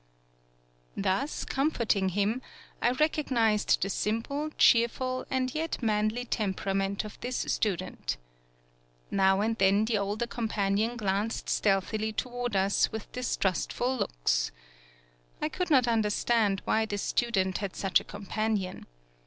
Thus, comforting him, I recognized the simple, cheerful, and yet manly tem perament of this student. Now and then the older companion glanced stealthily toward us with distrustful looks. I could not understand why this student had such a companion.